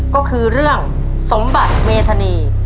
ก็คือเรื่องสมบัติเมธานี